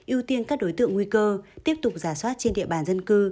ưu tiên các đối tượng nguy cơ tiếp tục giả soát trên địa bàn dân cư